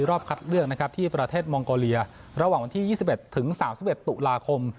รอบคัดเลือกนะครับที่ประเทศมองโกเลียระหว่างวันที่๒๑ถึง๓๑ตุลาคม